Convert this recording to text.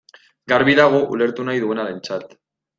Garbi dago, ulertu nahi duenarentzat.